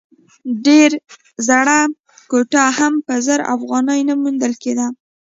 ډېره زړه کوټه هم په زر افغانۍ نه موندل کېده.